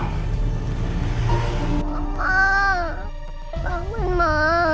mama bangun ma